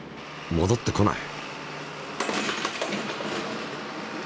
戻ってこない。